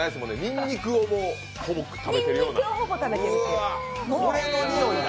にんにくをほぼ食べてるような。